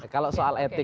kalau soal etik